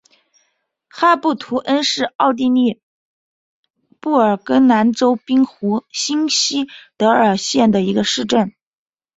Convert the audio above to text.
哈布图恩是奥地利布尔根兰州滨湖新锡德尔县的一个市镇。